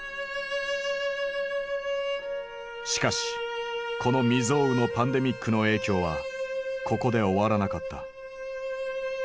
しかしこの未曽有のパンデミックの影響はここで終わらなかった。